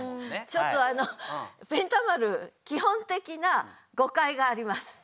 ちょっとペンた丸基本的な誤解があります。